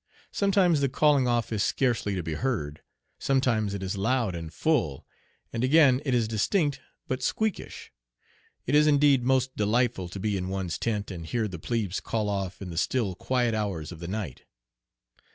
Sometimes the calling off is scarcely to be heard, sometimes it is loud and full, and again it is distinct but squeakish. It is indeed most delightful to be in one's tent and here the plebes call off in the still quiet hours of the night.